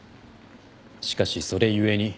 しかしそれ故に。